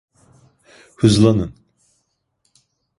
Hızlanın!